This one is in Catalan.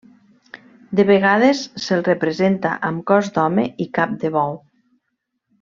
De vegades se'l representa amb cos d'home i cap de bou.